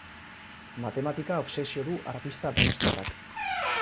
Matematika obsesio du artista donostiarrak.